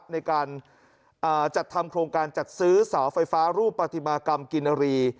ในการจัดทำโครงการจัดซื้อเสาไฟฟ้ารูปปฏิมากรรมกินรี